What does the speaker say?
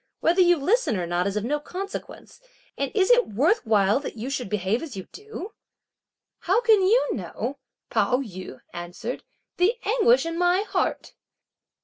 Whether you listen or not is of no consequence; and is it worth while that you should behave as you do?" "How can you know," Pao yü answered, "the anguish in my heart!"